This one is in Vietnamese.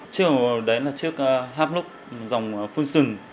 chiếc đồng hồ đấy là chiếc hapnook dòng phun sừng